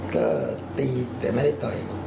ก็ตีแต่ไม่ได้ต่อย